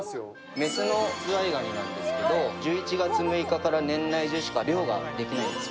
メスのズワイガニなんですけど、１１月中しか漁ができないんですよ。